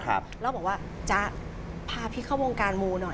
แล้วบอกว่าจ๊ะพาพี่เข้าวงการมูหน่อย